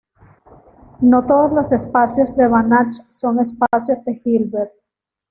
No todos los espacios de Banach son espacios de Hilbert.